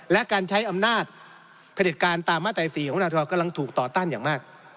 และการใช้อำนาจประเด็ดการตามมาตรศรีของม๔๔กำลังถูกต่อต้านอย่างมาก